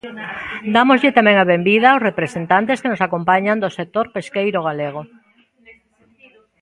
Dámoslle tamén a benvida aos representantes que nos acompañan do sector pesqueiro galego.